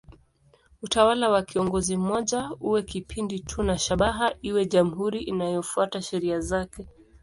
Utawala wa kiongozi mmoja uwe kipindi tu na shabaha iwe jamhuri inayofuata sheria zake.